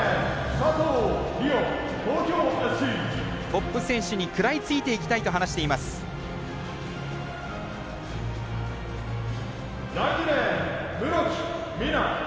トップ選手に食らいついていきたいと話しています、佐藤。